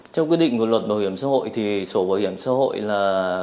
theo quy định của luật bảo hiểm xã hội thì sổ bảo hiểm xã hội là